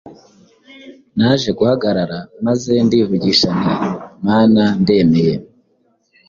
Naje guhagarara, maze ndivugisha nti “Mana ndemeye.